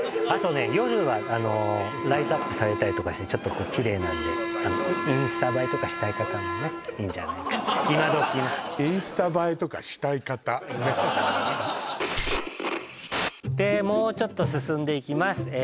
あとね夜はあのライトアップされたりとかしてちょっとこうきれいなんでインスタ映えとかしたい方もねっいいんじゃないか今どきの「インスタ映えとかしたい方ねっ」でもうちょっと進んでいきます